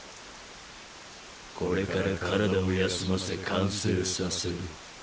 これから身体を休ませ完成させる。